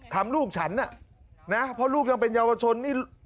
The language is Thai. ทำลูกฉันนะเพราะลูกยังเป็นเยาวชน